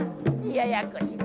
ややこしや。